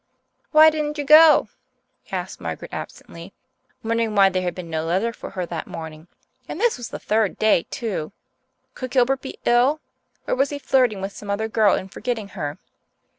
"Why didn't you go?" asked Margaret absently, wondering why there had been no letter for her that morning and this was the third day too! Could Gilbert be ill? Or was he flirting with some other girl and forgetting her?